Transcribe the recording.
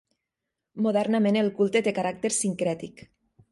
Modernament el culte té caràcter sincrètic.